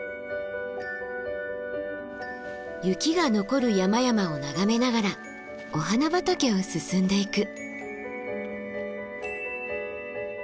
雪が残る山々を眺めながらお花畑を進んでいく。